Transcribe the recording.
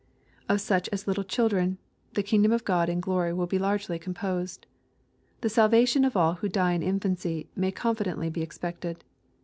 "Of such as little children," the kingdom of God in glory will be largely composed. The salvation of all who die in infancy may confidently be expected.